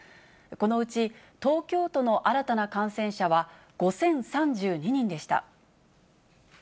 このうち東京都の新たな感染者は５０３２人でした。